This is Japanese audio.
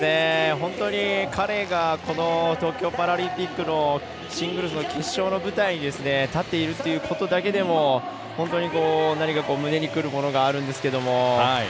本当に彼がこの東京パラリンピックのシングルスの決勝の舞台に立っているということだけでも本当に胸にくるものがあるんですけれども。